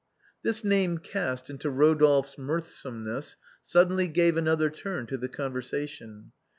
This name cast into Eodolphe's mirthsomeness, sud denly gave another turn to the conversation.